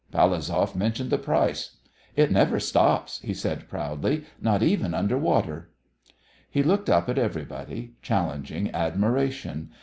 Palazov mentioned the price. "It never stops," he said proudly, "not even under water." He looked up at everybody, challenging admiration.